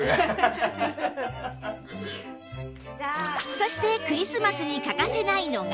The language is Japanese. そしてクリスマスに欠かせないのが